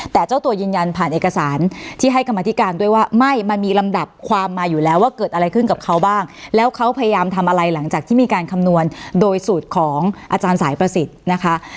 แต่เจ้าตัวยืนยันผ่านเอกสารที่ให้กรรมธิการด้วยว่าไม่มันมีลำดับความมาอยู่แล้วว่าเกิดอะไรขึ้นกับเขาบ้างแล้วเขาพยายามทำอะไรหลังจากที่มีการคำนวณโดยสูตรของอาจารย์สายประสิทธิ์นะคะ